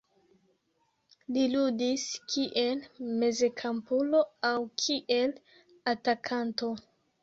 Li ludis kiel mezkampulo aŭ kiel atakanto.